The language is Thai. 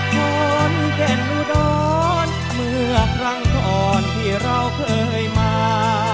ความเก่งรู้ด้อนเมื่อครั้งก่อนที่เราเคยมา